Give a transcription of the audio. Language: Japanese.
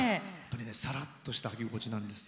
さらっとした履き心地なんですよ。